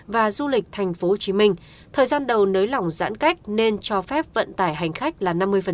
và du lịch tp hcm thời gian đầu nới lỏng giãn cách nên cho phép vận tải hành khách là năm mươi